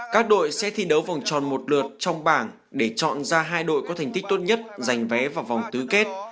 các đội sẽ thi đấu vòng tròn một lượt trong bảng để chọn ra hai đội có thành tích tốt nhất giành vé vào vòng tứ kết